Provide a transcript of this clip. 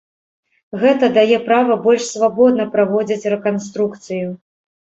Гэта дае права больш свабодна праводзіць рэканструкцыю.